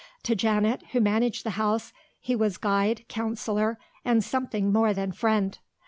To Janet, who managed the house, he was guide, counsellor, and something more than friend.